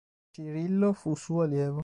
Cirillo fu suo allievo.